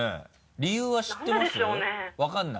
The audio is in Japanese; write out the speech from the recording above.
理由は知ってます？